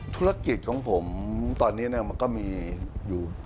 ธุรกิจของผมตอนนี้มันก็มีอยู่